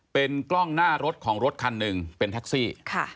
เป็นกล้องหน้ารถของรถคันหนึ่งเป็นแท็กซี่